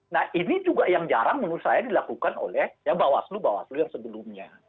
nah ini juga yang jarang menurut saya dilakukan oleh bawaslu bawaslu yang sebelumnya